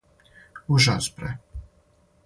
Ужас бре!